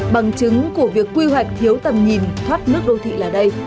bằng chứng của việc quy hoạch thiếu tầm nhìn thoát nước đô thị là đây